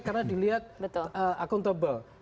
karena dilihat akuntabel